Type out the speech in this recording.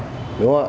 đúng không ạ